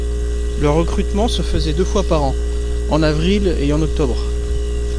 Le recrutement se faisait deux fois par an, en avril et en octobre.